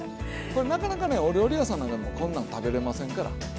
これなかなかねお料理屋さんなんかでもこんなん食べれませんから。